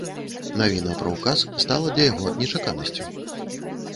Навіна пра ўказ стала для яго нечаканасцю.